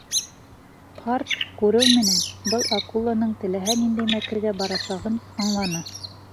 Ҡарт, күреү менән, был акуланың теләһә ниндәй мәкергә барасағын аңланы.